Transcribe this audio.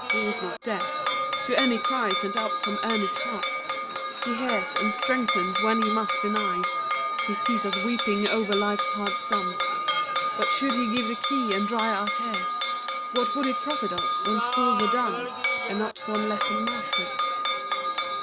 He is not deaf To any cry sent up from earnest hearts; He hears and strengthens when He must deny. He sees us weeping over life's hard sums; But should He give the key and dry our tears, What would it profit us when school were done And not one lesson mastered?